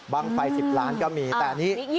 ไฟ๑๐ล้านก็มีแต่อันนี้